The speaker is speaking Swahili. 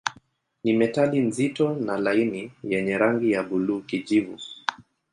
Ni metali nzito na laini yenye rangi ya buluu-kijivu.